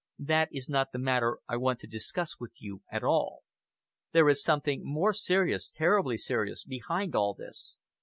"That is not the matter I want to discuss with you at all. There is something more serious, terribly serious, behind all this.